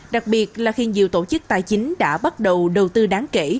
đặc biệt là khi nhiều tổ chức tài chính đã bắt đầu đầu tư đáng kể